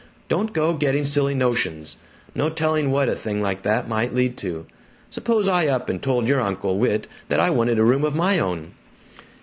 Don't go getting silly notions. No telling what a thing like that might lead to. Suppose I up and told your Uncle Whit that I wanted a room of my own!"